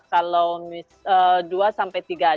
kalau dua sampai tiga jam dari sana sampai di edinburgh